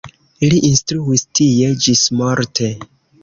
Li instruis tie ĝismorte.